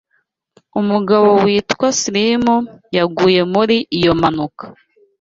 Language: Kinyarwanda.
Umugabo witwa Slim yaguye muri iyo mpanuka.